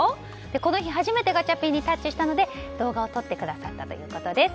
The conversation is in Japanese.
この日初めてガチャピンにタッチしたので動画を撮ってくださったということです。